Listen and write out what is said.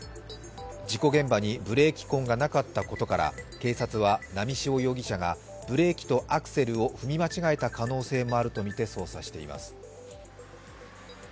事故現場にブレーキ痕がなかったことから警察は波汐容疑者がブレーキとアクセルを踏み間違えた可能性もあるとみて捜査しています。